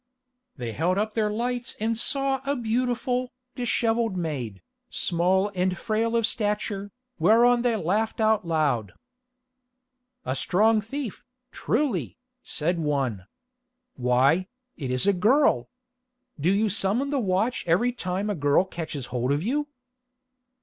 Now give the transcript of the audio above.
They held up their lights and saw a beautiful, dishevelled maid, small and frail of stature, whereon they laughed out loud. "A strong thief, truly," said one. "Why, it is a girl! Do you summon the watch every time a girl catches hold of you?"